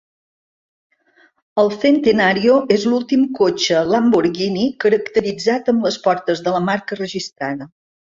El Centenario és l'últim cotxe Lamborghini caracteritzat amb les portes de la marca registrada.